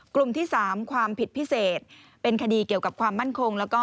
กลุ่มที่๓ความผิดพิเศษเป็นคดีเกี่ยวกับความมั่นคง